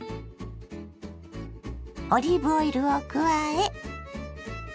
オリーブオイルを加え。